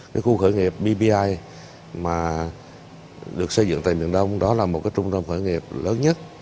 cái khu khởi nghiệp bbi mà được xây dựng tại miền đông đó là một cái trung tâm khởi nghiệp lớn nhất